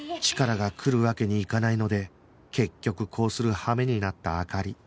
チカラが来るわけにいかないので結局こうする羽目になった灯